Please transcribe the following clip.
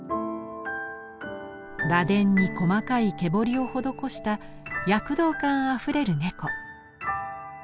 螺鈿に細かい毛彫りを施した躍動感あふれる猫。